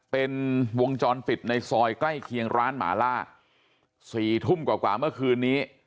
เป็นวงจรปิดในซอยใกล้เคียงร้านหมาล่า๔ทุ่มกว่าเมื่อคืนนี้